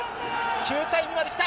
９対２まできた。